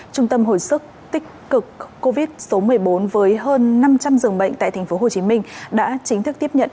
trung tâm hồi sức tích cực covid một mươi bốn với hơn năm trăm linh dường bệnh tại tp hcm đã chính thức tiếp nhận